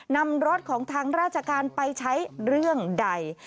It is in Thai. นำรถของทางราชการไปใช้เรื่องใด